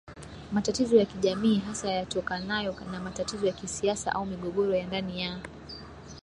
matatizo ya kijamii hasa yatokanayo na matatizo ya kisiasa au migogoro ya ndani ya